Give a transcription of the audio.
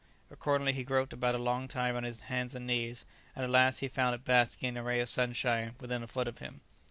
Accordingly he groped about a long time on his hands and knees, and at last he found it basking in a ray of sunshine within a foot of him.